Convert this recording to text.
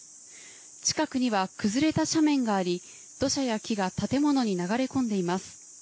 近くには、崩れた斜面があり、土砂や木が建物に流れ込んでいます。